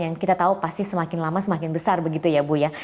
yang kita tahu pasti semakin lama semakin besar begitu ya bu ya